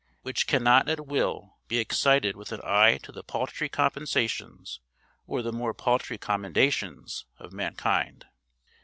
which cannot at will be excited with an eye to the paltry compensations or the more paltry commendations of mankind!'